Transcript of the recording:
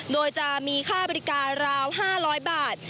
โดยจะมีค่าบริการราว๕๐๐บาท